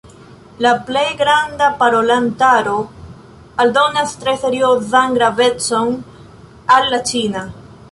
La plej granda parolantaro aldonas tre seriozan gravecon al la ĉina.